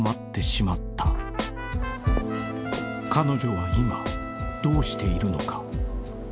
［彼女は今どうしているのか？］